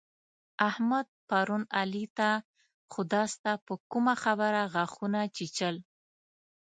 احمد پرون علي ته خداسته پر کومه خبره غاښونه چيچل.